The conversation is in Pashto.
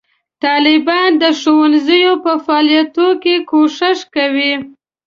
طالبان د ښوونځیو په فعالولو کې کوښښ کوي.